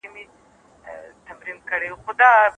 دواړو پاچاهانو یو بل ته سپکاوي ډک لیکونه لېږل.